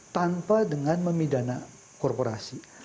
tanpa dengan memidana korporasi